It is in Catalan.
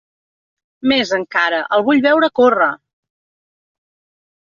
Més encara, el vull veure córrer!